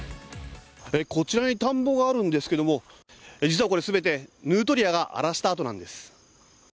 こちらに田んぼがあるんですけど、実はこれ全てヌートリアが荒らした跡なんです。